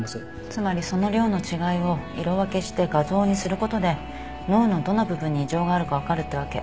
つまりその量の違いを色分けして画像にすることで脳のどの部分に異常があるか分かるってわけ。